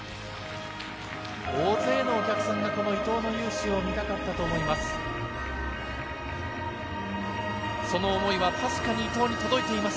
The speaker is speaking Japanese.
大勢のお客さんが伊藤の雄姿を見たかったと思います。